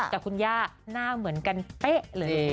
กับคุณย่าหน้าเหมือนกันเป๊ะเลย